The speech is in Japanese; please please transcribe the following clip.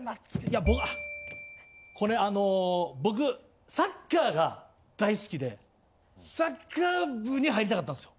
僕これあの僕サッカーが大好きでサッカー部に入りたかったんですよ。